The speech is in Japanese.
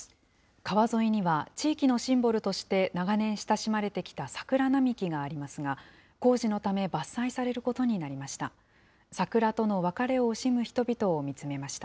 川沿いには地域のシンボルとして長年親しまれてきた桜並木がありますが、工事のため、伐採されることになりました。